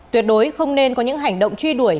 tuyệt đối không nên có những hành động truy đuổi